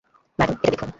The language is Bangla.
ম্যাডাম, এটা দেখুন।